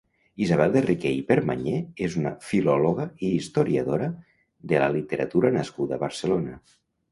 Isabel de Riquer i Permanyer és una filòloga i historiadora de la literatura nascuda a Barcelona.